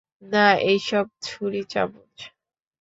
না, এইসব ছুড়ি-চামচ?